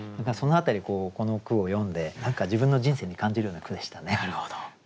その辺りこの句を読んで何か自分の人生に感じるような句でしたね。